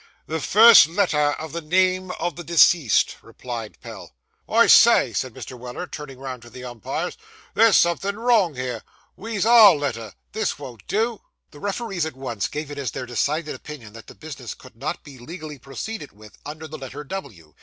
'The first letter of the name of the deceased,' replied Pell. 'I say,' said Mr. Weller, turning round to the umpires, there's somethin' wrong here. We's our letter this won't do.' The referees at once gave it as their decided opinion that the business could not be legally proceeded with, under the letter W.